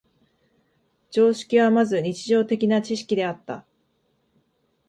常識はまず日常的な知識であった。